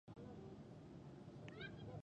د شلمي ګڼي فرمان مطابق د ښاري طرحو